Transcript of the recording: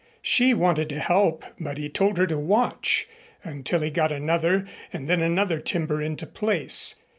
She wanted to help, but he told her to watch, until he got another and then another timber into place.